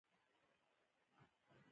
له زینې چې ښکته شوم.